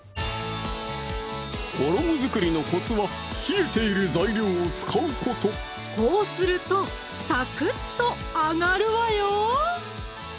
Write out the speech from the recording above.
衣作りのコツは冷えている材料を使うことこうするとサクッと揚がるわよ